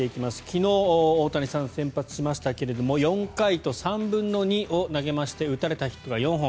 昨日、大谷さん先発しましたけれど４回と３分の２を投げまして打たれたヒットが４本。